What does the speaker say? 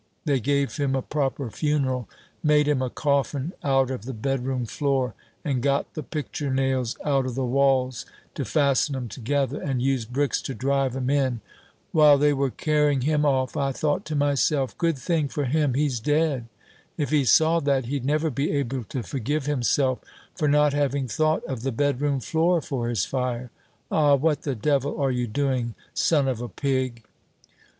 They gave him a proper funeral made him a coffin out of the bedroom floor, and got the picture nails out of the walls to fasten 'em together, and used bricks to drive 'em in. While they were carrying him off, I thought to myself, 'Good thing for him he's dead. If he saw that, he'd never be able to forgive himself for not having thought of the bedroom floor for his fire.' Ah, what the devil are you doing, son of a pig?"